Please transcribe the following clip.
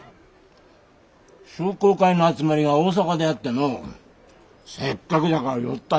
商工会の集まりが大阪であってのう。